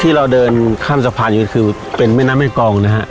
ที่เราเดินข้ามสะพานอยู่ก็คือเป็นแม่น้ำแม่กองนะฮะ